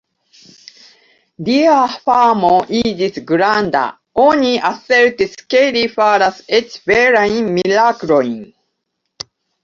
Lia famo iĝis granda; oni asertis ke li faras eĉ verajn miraklojn.